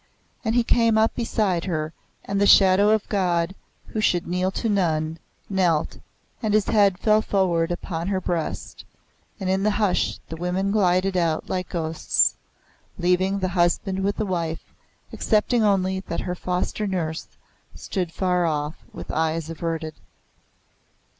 And he came up beside her, and the Shadow of God, who should kneel to none, knelt, and his head fell forward upon her breast; and in the hush the women glided out like ghosts, leaving the husband with the wife excepting only that her foster nurse stood far off, with eyes averted.